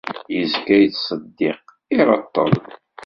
Izga yettseddiq, ireṭṭel.